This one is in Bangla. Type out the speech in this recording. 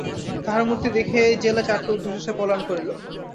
তাঁহার মূর্তি দেখিয়াই জেলে চারটে ঊর্ধ্বশ্বাসে পলায়ন করিল।